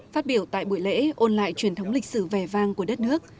phát biểu tại buổi lễ ôn lại truyền thống lịch sử vẻ vang của đất nước